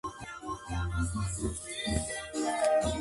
La polio ya solo está activa en menos de diez países.